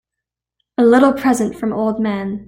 A little present from old man.